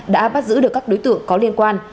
đã bắt giữ được các đối tượng có liên quan